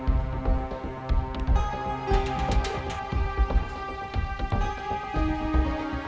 kata bapak kalau sedang ngelepon ayo juga